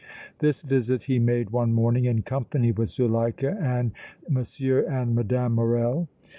This visit he made one morning in company with Zuleika and M. and Mme. Morrel.